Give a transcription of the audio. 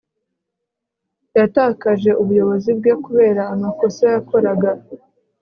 yatakaje ubuyobozi bwe kubera amakosa yakoraga